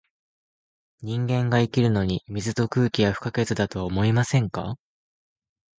人間が生きるのに、水と空気は不可欠だとは思いませんか？